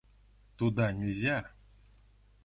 — Туда нельзя!